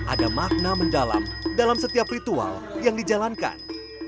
ada makna mendalam dalam setiap ritual yang dijalankan